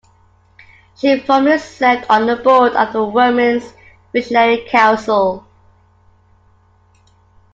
She formerly served on the board of the Women's Visionary Council.